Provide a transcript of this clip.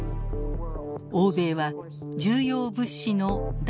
欧米は重要物資の脱